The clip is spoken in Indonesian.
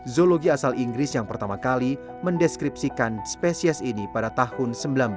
zologi asal inggris yang pertama kali mendeskripsikan spesies ini pada tahun seribu sembilan ratus sembilan puluh